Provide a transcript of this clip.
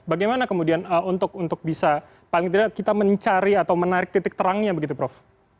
bagaimana kemudian untuk bisa paling tidak kita mencari atau menarik titik terangnya begitu prof